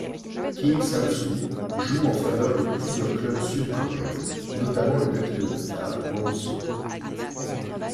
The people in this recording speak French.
Kim Sam-soo joue en faveur de plusieurs clubs sud-coréens, notamment le Lucky-Goldstar Hwangso.